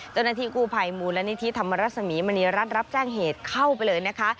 เจ้าหน้าที่กู้ภัยมูลนิธิธรรมรสมีมณีรัฐรับแจ้งเหตุเข้าไปเลยนะคะ